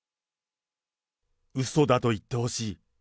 うそだと言ってほしい。